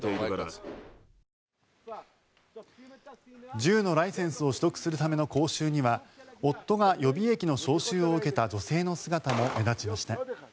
銃のライセンスを取得するための講習には夫が予備役の招集を受けた女性の姿も目立ちました。